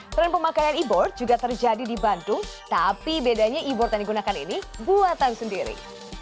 tren pemakaian e board juga terjadi di bandung tapi bedanya e board yang digunakan ini buatan sendiri